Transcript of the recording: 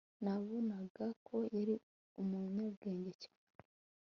Nabonaga ko yari umunyabwenge cyane